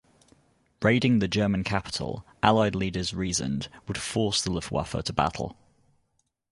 Raiding the German capital, Allied leaders reasoned, would force the Luftwaffe to battle.